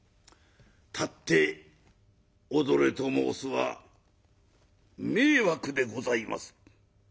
たって踊れと申すは迷惑でございます」。